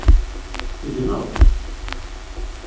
Tegneḍ?